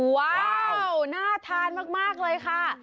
ว้าวน่าทานมากเลยค่ะ